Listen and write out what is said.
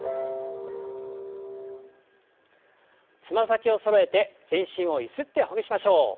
つま先をそろえて全身をゆすってほぐしましょう。